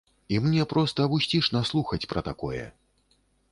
І мне проста вусцішна слухаць пра такое!